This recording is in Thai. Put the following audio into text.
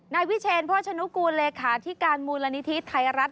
นายวิเชษพ่อชะนุกูเลขาที่การมูลโลวณิธีไทรรัฐ